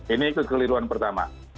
ini kekeliruan pertama